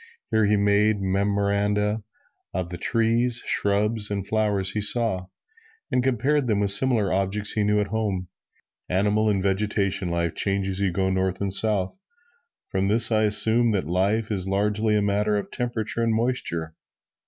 Here he made memoranda of the trees, shrubs and flowers he saw, and compared them with similar objects he knew at home. "Animal and vegetable life change as you go North and South; from this I assume that life is largely a matter of temperature and moisture."